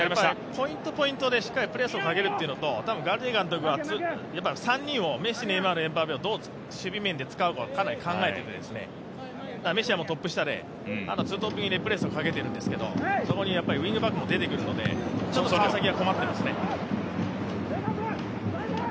ポイント、ポイントでしっかりプレスをかけるというのとガルティエ監督は３人を、メッシ、ネイマール、エムバペをどう守備面で使うか、かなり考えていて、メッシはトップ下でツートップ気味でプレスをかけてるんですけどそこにウイングバックも出てくるのでちょっと川崎は困ってますね。